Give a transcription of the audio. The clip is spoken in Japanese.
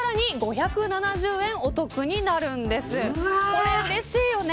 これ、うれしいよね。